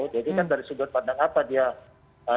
jadi kan dari sudut pandang apa